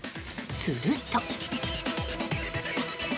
すると。